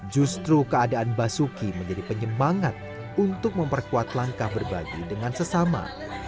justru keadaan basuki menjadi penyemangat untuk memperkuat langkah berbagi dengan sesama